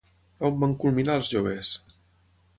On van culminar els joves?